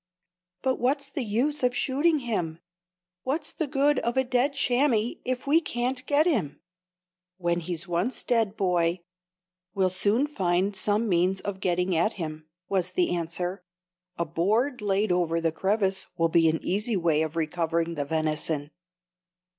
"But what's the use of shooting him? What's the good of a dead chamois if we can't get him?" "When he's once dead, boy, we'll soon find some means of getting at him," was the answer. "A board laid over the crevasse will be an easy way of recovering the venison."